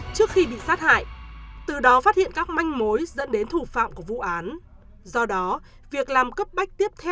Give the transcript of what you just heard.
trước khi bị sát hại từ đó phát hiện các manh mối dẫn đến thủ phạm của vụ án do đó việc làm cấp bách tiếp theo